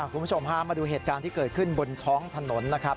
คุณผู้ชมพามาดูเหตุการณ์ที่เกิดขึ้นบนท้องถนนนะครับ